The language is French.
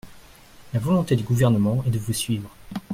La volonté du Gouvernement est de vous suivre.